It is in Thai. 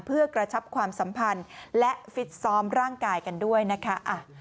เพื่อกระชับความสัมพันธ์และฟิตซ้อมร่างกายกันด้วยนะคะ